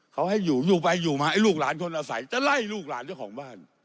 เขาให้อยู่อยู่ไปอยู่มาไอ้ลูกหลานคนอาศัยจะไล่ลูกหลานเจ้าของบ้าน